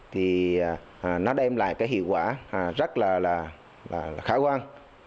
thì nó đem lại cái hiệu quả rất là khả quan